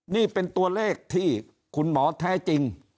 นี่เป็นตัวเลขที่คุณหมอแท้จริง